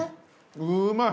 うまい！